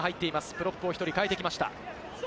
プロップを１人代えてきました。